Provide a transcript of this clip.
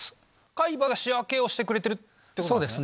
海馬が仕分けをしてくれてるってことですね。